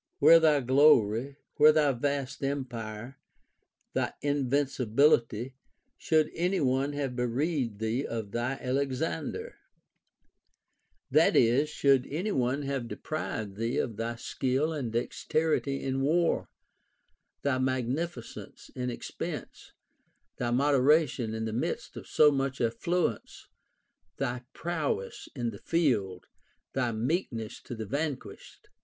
499 Avhere thy glory, where thy vast emph'e, thy invincibihty, should any one have bereaved thee of thy Alexander 1 — that is, should any one have deprived thee of thy skill and dexterity in war, thy magnificence in expense, thy modera tion in the midst of so much affluence, thy prowess in the field, thy meekness to the vanquished'?